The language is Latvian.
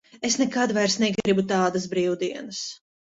Es nekad vairs negribu tādas brīvdienas.